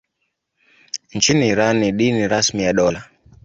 Nchini Iran ni dini rasmi ya dola.